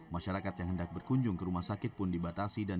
masyarakat yang hendak berkunjung ke rumah sakit pku muhammadiyah